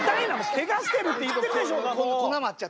ケガしてるって言ってるでしょうがもう。